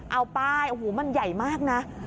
เอาป้ายโอ้โหมันใหญ่มากนะ